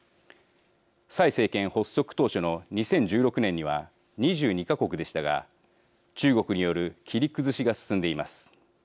蔡政権発足当初の２０１６年には２２か国でしたが中国による切り崩しが進んでいます。